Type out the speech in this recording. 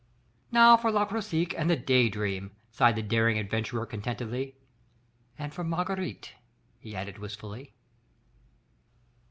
"Now for Le Croisic and the Day Dream," sighed the daring adventurer contentedly, "... and for Marguerite!" he added wistfully.